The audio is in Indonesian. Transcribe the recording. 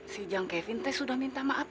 si jang kevintech sudah minta maaf